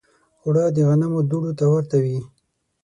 اوړه د غنمو دوړو ته ورته وي